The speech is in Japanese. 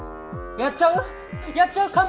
乾杯やっちゃう？